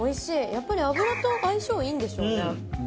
やっぱり油と相性いいんでしょうね。